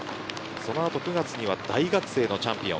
その後９月には大学生のチャンピオン。